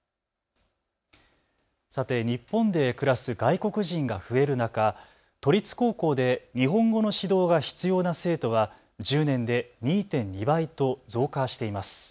さて、日本で暮らす外国人が増える中、都立高校で日本語の指導が必要な生徒は１０年で２．２倍と増加しています。